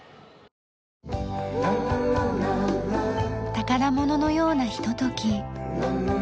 宝物のようなひととき。